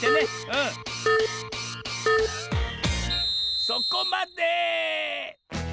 うんそこまで！